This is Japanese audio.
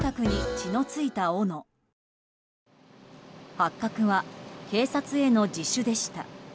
発覚は警察への自首でした。